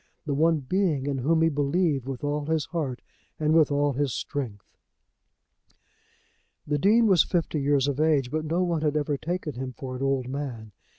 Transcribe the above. The one being in whom he believed with all his heart and with all his strength! The Dean was fifty years of age, but no one had ever taken him for an old man.